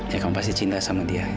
ya kamu pasti cinta sama dia